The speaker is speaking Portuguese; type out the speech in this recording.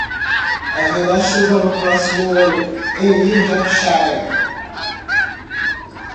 Haverá chuva no próximo ano em New Hampshire?